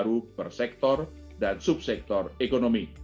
dengan kredit baru bersektor dan subsektor ekonomi